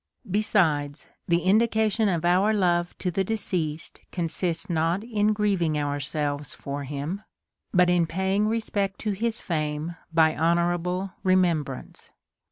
Besides, the indication of our love to the deceased consists not in grieving ourselves for him, but in paying respect to his fame by honorable remembrance.